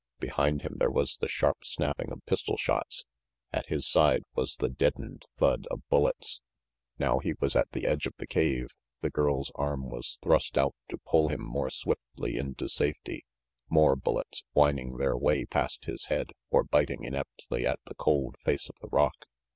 Behind him there was the sharp snapping of pistol shots. At his side was the deadened thud of bullets. Now he was at the edge of the cave the girl's arm was thrust out to pull him more swiftly into safety. More bullets, whining their way past his head, or biting ineptly at the cold face of the rock.